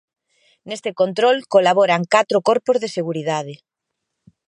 Neste control colaboran catro corpos de seguridade.